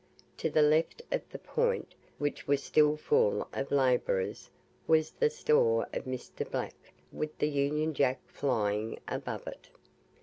To the left of the Point, which was still full of labourers, was the store of Mr. Black, with the Union Jack flying above it.